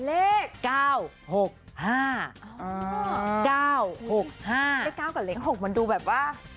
เลข๙กับเลข๖มันดูแบบว่า